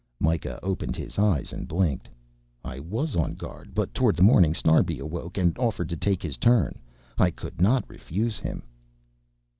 Mikah opened his eyes and blinked. "I was on guard, but towards morning Snarbi awoke and offered to take his turn. I could not refuse him...."